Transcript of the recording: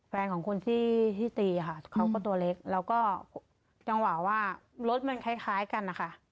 แฟนของคนที่ตีค่ะเขาก็ตัวเล็กแล้วก็จังหวะว่ารถมันคล้ายกันนะคะ